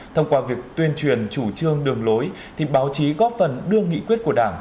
thông qua việc tuyên truyền chủ trương đường lối thì báo chí góp phần đưa nghị quyết của đảng